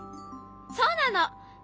そうなの！